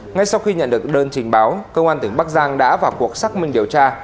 ngay sau khi nhận được đơn trình báo công an tỉnh bắc giang đã vào cuộc xác minh điều tra